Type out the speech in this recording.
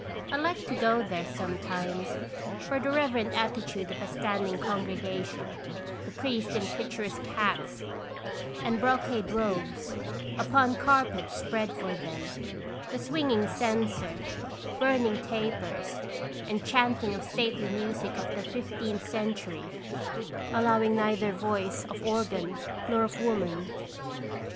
I liked to go there some times, for the reverent attitude of a standing congregation, the priests in picturesque hats and brocade robes, upon carpets spread for them, the swinging censer, burning tapers, and chanting of stately music of the fifteenth cen tury, allowing neither voice of organ nor of woman.